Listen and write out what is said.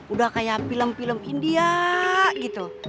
udah kayak film film india gitu